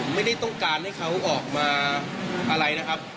ไม่ได้ต้องการให้เขาออกมาอะไรนะครับ